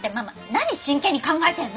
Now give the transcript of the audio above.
何真剣に考えてんの。